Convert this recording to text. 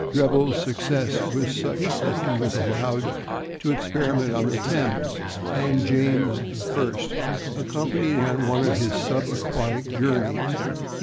Drebbel's success was such that he was allowed to experiment in the Thames, and James I. accompanied him on one of his sub aquatic journeys.